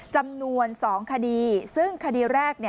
จำนวน๒คดีซึ่งคดีแรก